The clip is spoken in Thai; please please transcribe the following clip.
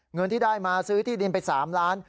เงินที่ได้มาซื้อที่ดินไป๓ล้าน